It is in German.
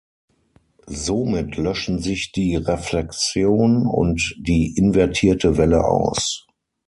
Somit löschen sich die Reflexion und die invertierte Welle aus.